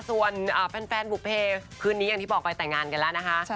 ส่วนแฟนบุเพคืนนี้อย่างที่บอกไปแต่งงานกันแล้วนะคะ